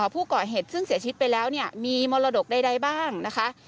ผู้ก่อเหตุซึ่งเสียชีวิตไปแล้วเนี่ยมีมรดกใดบ้างนะคะ